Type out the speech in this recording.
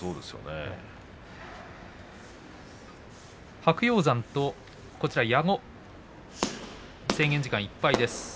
白鷹山と矢後制限時間いっぱいです。